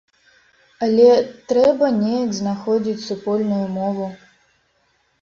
Але трэба неяк знаходзіць супольную мову.